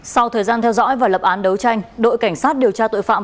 sau thời gian theo dõi và lập án đấu tranh đội cảnh sát điều tra tội phạm